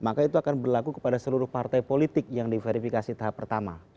maka itu akan berlaku kepada seluruh partai politik yang diverifikasi tahap pertama